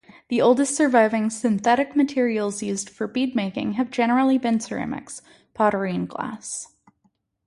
The oldest-surviving synthetic materials used for beadmaking have generally been ceramics: pottery and glass.